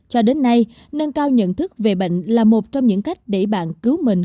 cho đến nay nâng cao nhận thức về bệnh là một trong những cách để bạn cứu mình